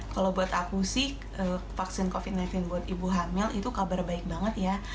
kalau buat aku sih vaksin covid sembilan belas buat ibu hamil itu kabar baik banget ya